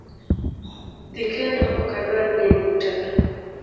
Dhi kendo okadwar neni buta ka.